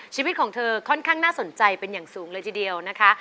ชีวิตของเธอค่อนข้างน่าสนใจเป็นอย่างสูงเลยทีเดียวนะคะ